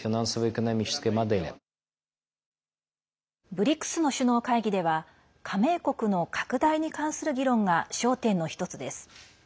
ＢＲＩＣＳの首脳会議では加盟国の拡大に関する議論が焦点の１つです。